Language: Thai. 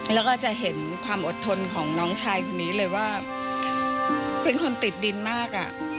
แล้วก็จะเห็นความอดทนของน้องชายคนนี้เลยว่าเป็นคนติดดินมาก